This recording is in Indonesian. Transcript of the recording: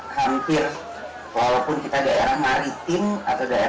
dan hampir walaupun kita daerah mari